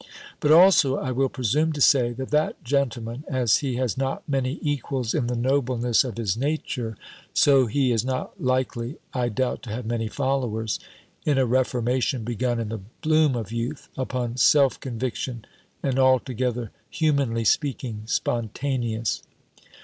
But also, I will presume to say, that that gentleman, as he has not many equals in the nobleness of his nature, so he is not likely, I doubt, to have many followers, in a reformation begun in the bloom of youth, upon self conviction, and altogether, humanly speaking, spontaneous.